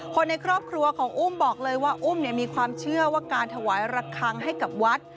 คนในครอบครัวของอุ้มบอกเลยว่าอุ้มมีความเชื่อว่าการถวายระคังให้กับวัด